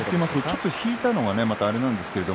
ちょっと引いたのがあれなんですけれども。